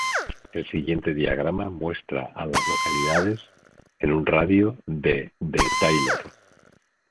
El siguiente diagrama muestra a las localidades en un radio de de Taylor.